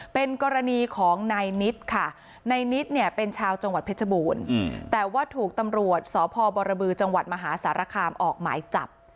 เป็นกรณีของนายนิดค่ะนายนิดเนี่ยเป็นชาวจังหวัดเพชรบูรณ์แต่ว่าถูกตำรวจสพบรบือจังหวัดมหาสารคามออกหมายจับ